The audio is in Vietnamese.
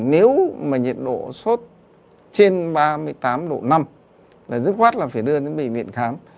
nếu mà nhiệt độ sốt trên ba mươi tám độ năm là dứt khoát là phải đưa đến bệnh viện khám